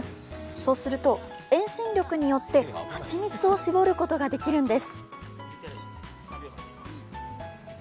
そうすると遠心力によって蜂蜜を搾ることができるんです。